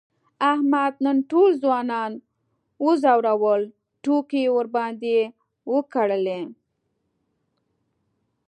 احمد نن ټول ځوانان و ځورول، ټوکې یې ورباندې وکړلې.